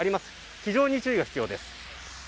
非常に注意が必要です。